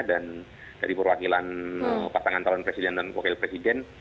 dan dari perwakilan pasangan talon presiden dan wakil presiden